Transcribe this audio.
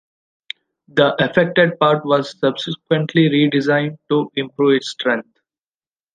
The affected part was subsequently redesigned to improve its strength.